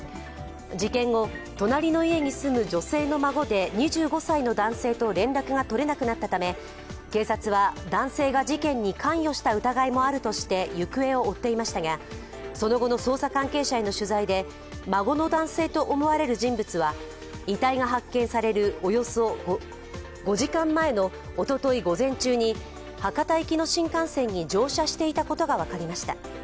事件後、隣の家に住む女性の孫で２５歳の男性と連絡が取れなくなったため、警察は男性が事件に関与した疑いもあるとして行方を追っていましたがその後の捜査関係者への取材で孫の男性と思われる人物は遺体が発見されるおよそ５時間前のおととい午前中に博多行きの新幹線に乗車していたことが分かりました。